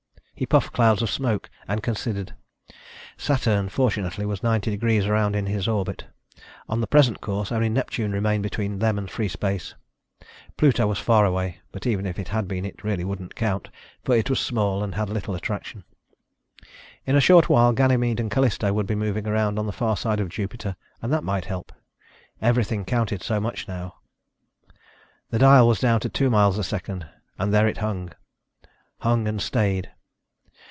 He puffed clouds of smoke and considered. Saturn fortunately was ninety degrees around in his orbit. On the present course, only Neptune remained between them and free space. Pluto was far away, but even if it had been, it really wouldn't count, for it was small and had little attraction. In a short while Ganymede and Callisto would be moving around on the far side of Jupiter and that might help. Everything counted so much now. The dial was down to two miles a second and there it hung. Hung and stayed.